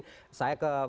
terima kasih pak yasin